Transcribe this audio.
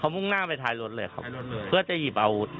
มุ่งหน้าไปท้ายรถเลยครับเพื่อจะหยิบเอา